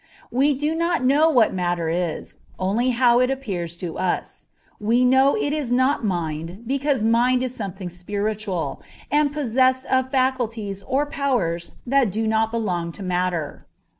We do not know what matter is, only how it appears to us; we know it is not mind because mind is something spiritual, and possessed of faculties or powers that do not belong to matter.